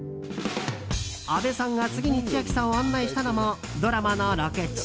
阿部さんが次に千秋さんを案内したのもドラマのロケ地。